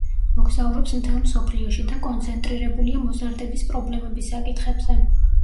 მოგზაურობს მთელ მსოფლიოში და კონცენტრირებულია მოზარდების პრობლემების საკითხებზე.